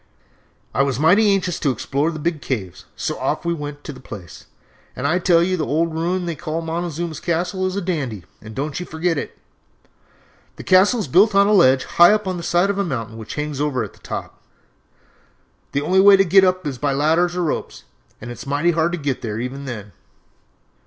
"I was mighty anxious to explore the big caves, so off we went to the place, and I tell you the old ruin they call 'Montezuma's Castle' is a dandy, and don't you forget it. The castle is built on a ledge high up on the side of a mountain which hangs over at the top. The only way to get up is by ladders or ropes, and it is mighty hard to get there even then.